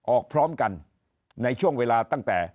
พร้อมกันในช่วงเวลาตั้งแต่